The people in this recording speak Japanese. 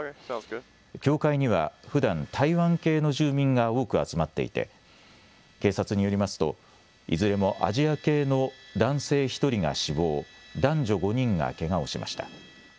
教会にはふだん台湾系の住民が多く集まっていて警察によりますといずれもアジア系の男性１人が死亡、男女５人がけがをしました。